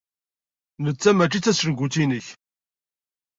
Nettat mačči d tacengut-inek.